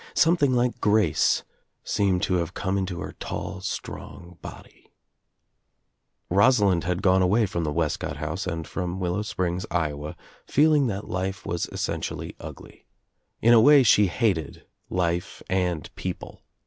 Something like grace seemed to have come into her tall strong body, Rosalind had gone away from the Wescott house and from Willow Springs, Iowa, feeling that life was essentially ugly. In a way she hated Ufc and people.